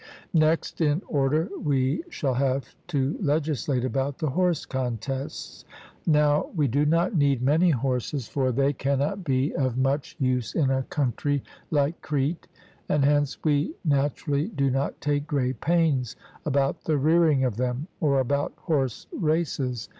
Next in order we shall have to legislate about the horse contests. Now we do not need many horses, for they cannot be of much use in a country like Crete, and hence we naturally do not take great pains about the rearing of them or about horse races.